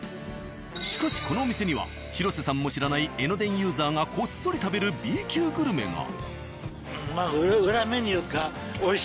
しかしこのお店には広瀬さんも知らない江ノ電ユーザーがこっそり食べるＢ級グルメが。